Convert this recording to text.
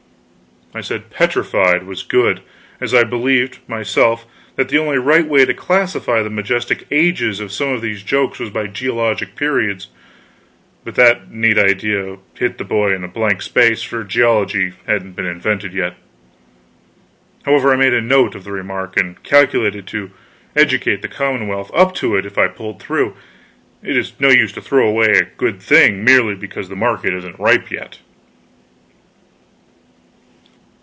I said "petrified" was good; as I believed, myself, that the only right way to classify the majestic ages of some of those jokes was by geologic periods. But that neat idea hit the boy in a blank place, for geology hadn't been invented yet. However, I made a note of the remark, and calculated to educate the commonwealth up to it if I pulled through. It is no use to throw a good thing away merely because the market isn't ripe yet.